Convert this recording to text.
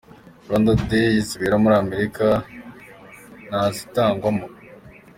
Rwanda Day zibera muri Amerika ntazitangwamo.